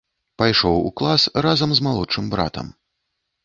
Пайшоў у клас разам з малодшым братам.